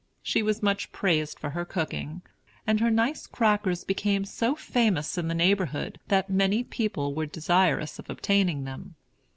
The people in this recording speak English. She was much praised for her cooking; and her nice crackers became so famous in the neighborhood that many people were desirous of obtaining them.